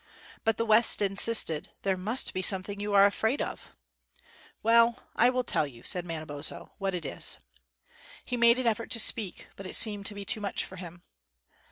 But the West insisted "There must be something you are afraid of." "Well, I will tell you," said Manabozho, "what it is." He made an effort to speak, but it seemed to be too much for him.